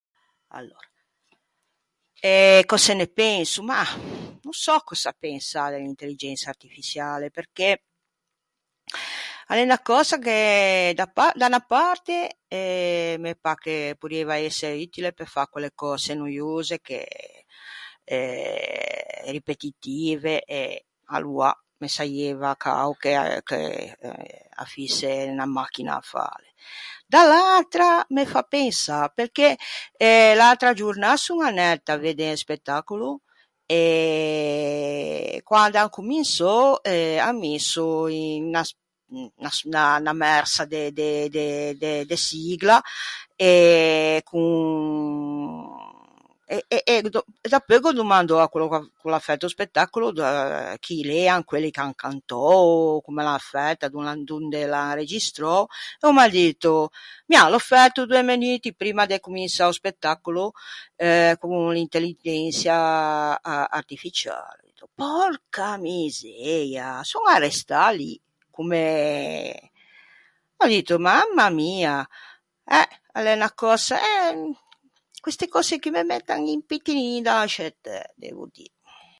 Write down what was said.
Allora... eh, cöse ne penso? Ma, no sò cöse pensâ de l’intelligensa artifiçiale perché a l’é unna cösa che da par- da unna parte eh me pâ che porrieiva ëse utile pe fâ quelle cöse noiose che eh ripetitive, e aloa me saieiva cao che a che che a fïse unna machina à fâle. Da l’atra me fa pensâ perché eh l’atra giornâ son anæta à vedde un spettacolo e quande an cominsou eh an misso unna sp- unna s- unna mersa de de de de sigla e con e e do- dapeu gh’ò domandou à quello ch’o l‘à fæto o spettacolo eh chi l’ean quelli che an cantou, comme l’an fæta, don- l’an donde l’an registrou, e o m’à dito «Mia, l’ò fæto doî menuti primma de cominsâ o spettacolo eh con l’intelligençia artificiale». Ò dito «pòrca misëia», son arrestâ lì, comme... ò dito «mamma mia» eh, a l’é unna cösa... eh, queste cöse chì me mettan un pittinin d’anscietæ devo dî.